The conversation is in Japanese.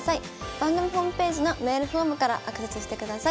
番組ホームページのメールフォームからアクセスしてください。